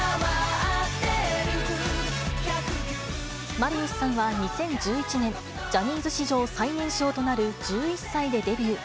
マリウスさんは２０１１年、ジャニーズ史上最年少となる１１歳でデビュー。